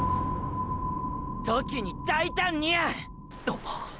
“時に大胆に”や！！！